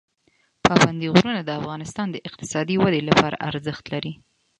پابندی غرونه د افغانستان د اقتصادي ودې لپاره ارزښت لري.